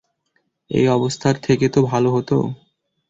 এই অবস্থার থেকে তো ভালো হতো।